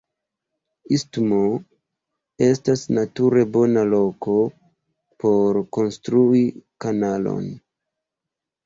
Istmo estas nature bona loko por konstrui kanalon.